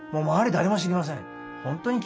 誰も知りません。